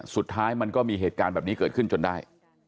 สุดท้ายมันก็มีเหตุการณ์แบบนี้เกิดขึ้นจนได้